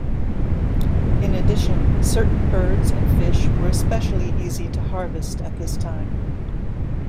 In addition, certain birds and fish were especially easy to harvest at this time.